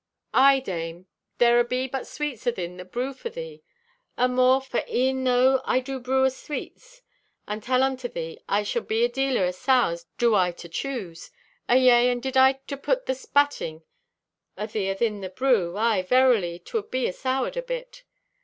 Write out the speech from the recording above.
Aye, Dame, there abe but sweets athin the brew for thee. Amore, for e'en tho' I do brew o' sweets and tell unto thee, I be a dealer o' sours do I to choose! Ayea, and did I to put the spatting o' thee athin the brew, aye verily 'twould be asoured a bit!"